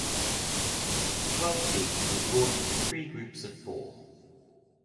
The twelve teams were drawn into three groups of four.